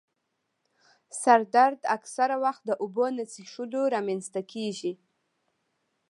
سر درد اکثره وخت د اوبو نه څیښلو رامنځته کېږي.